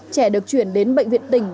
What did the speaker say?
trẻ được chuyển đến bệnh viện tỉnh